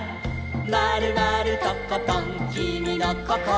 「まるまるとことんきみのこころは」